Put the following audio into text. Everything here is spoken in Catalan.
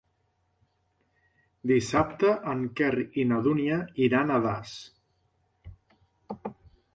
Dissabte en Quer i na Dúnia iran a Das.